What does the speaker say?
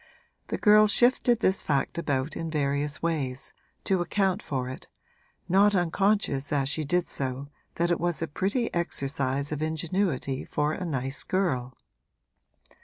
The girl shifted this fact about in various ways, to account for it not unconscious as she did so that it was a pretty exercise of ingenuity for a nice girl.